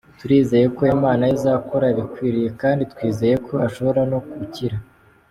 Turizeye ko Imana izakora ibikwiriye kandi twizeye ko ashobora no gukira.